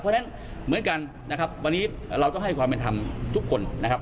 เพราะฉะนั้นเหมือนกันนะครับวันนี้เราต้องให้ความเป็นธรรมทุกคนนะครับ